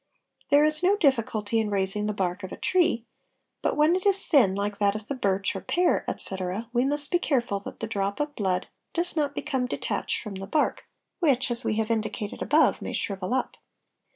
There 14s no difficulty in raising the bark of a tree, but when it is thin like that of the birch, or pear, etc., we must be careful that the drop of blood does 72 570 TRACES OF BLOOD not become detached from the bark which, as we have indicated above, may shrivel up.